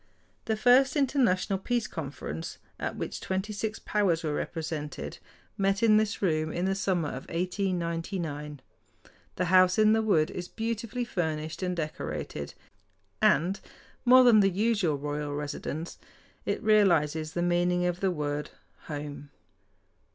The first International Peace Conference, at which twenty six powers were represented, met in this room in the summer of 1899. The House in the Wood is beautifully furnished and decorated, and, more than the usual royal residence, it realizes the meaning of the word "home."